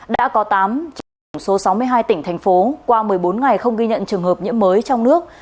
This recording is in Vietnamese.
đã có tám trong tổng số sáu mươi hai tỉnh thành phố qua một mươi bốn ngày không ghi nhận trường hợp nhiễm mới trong nước